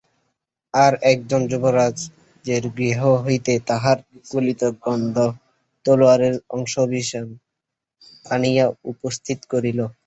আর একজন, যুবরাজের গৃহ হইতে তাঁহার গলিত দগ্ধ তলােয়ারের অবশিষ্টাংশ আনিয়া উপস্থিত করিল।